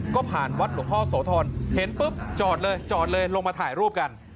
ก็ผ่านวัดหลวงพ่อโสธรเห็นปุ๊บจอดเลยจอดเลยลงมาถ่ายรูปกัน